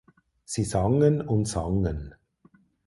Sie sangen und sangen.